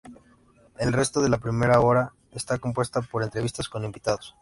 El resto de la primera hora está compuesto por entrevistas con invitados.